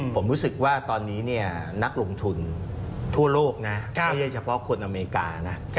ผมรู้สึกว่าตอนนี้นักลงทุนทั่วโลกนะไม่ใช่เฉพาะคนอเมริกานะ